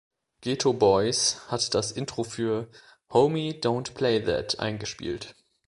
Geto Boys hat das Intro für „Homie Don't Play That" eingespielt.